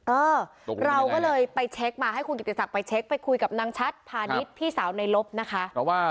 เออเราก็เลยไปแช็คมาให้คุณกิจกฎศักดิ์ไปแช็คไปคุยกับนางชัตริ์พานิสที่สาวนายรบนะค่ะ